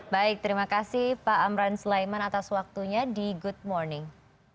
baik terima kasih pak amran sulaiman atas waktunya di good morning